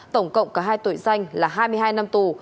tổng cộng cả hai tội danh là hai mươi hai năm tù